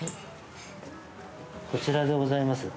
こちらでございます。